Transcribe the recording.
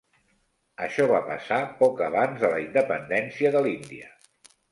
Això va passar poc abans de la independència de l'Índia.